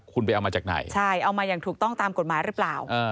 คุณไปเอามาจากไหนใช่เอามาอย่างถูกต้องตามกฎหมายหรือเปล่า